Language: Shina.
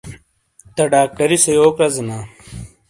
تَہہ ڈاکٹری سے یوک رَزینا؟